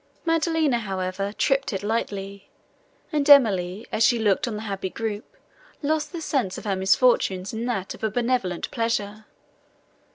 Maddelina, however, tripped it lightly, and Emily, as she looked on the happy group, lost the sense of her misfortunes in that of a benevolent pleasure.